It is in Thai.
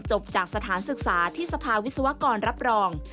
จบจากสถานศึกษาที่สภาวิศวกรรับรอง